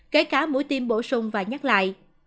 kể cả mũi tiêm bổ sung và nhắc lại